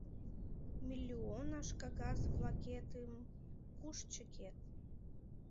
Миллионаш кагаз-влакетым куш чыкет?